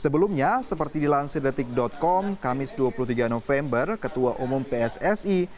sebelumnya seperti dilansir detik com kamis dua puluh tiga november ketua umum pssi